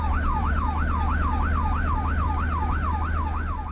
คุณผู้ชมครับไอ้หนุ่มพวกนี้มันนอนปาดรถพยาบาลครับ